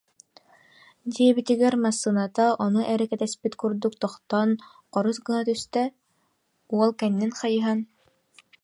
диэбитигэр, массыыната ону эрэ кэтэспит курдук, тохтоон хорус гынна түстэ, уол кэннин хайыһан: